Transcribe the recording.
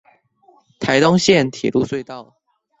臺東線鐵路隧道